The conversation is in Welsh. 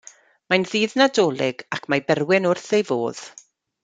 Mae'n ddydd Nadolig ac mae Berwyn wrth ei fodd!